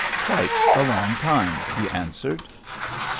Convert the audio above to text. "Quite a long time," he answered.